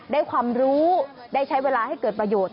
ได้ความรู้ได้ใช้เวลาให้เกิดประโยชน์